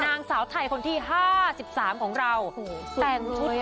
นางสาวไทยคนที่ห้าสิบสามของเราโหสุดเลยอ่ะ